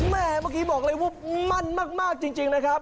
แม่เมื่อกี้บอกเลยว่ามั่นมากจริงนะครับ